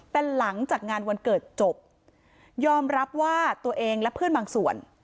แต่หลังจากงานวันเกิดจบยอมรับว่าตัวเองและเพื่อนบางส่วน